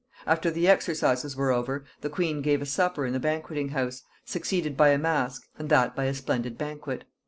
After the exercises were over, the queen gave a supper in the banqueting house, succeeded by a masque, and that by a splendid banquet.